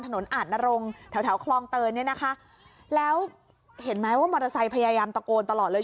ถนนอ่านนรงค์แถวคลองเติร์นแล้วเห็นไหมว่ามอเตอร์ไซค์พยายามตะโกนตลอดเลย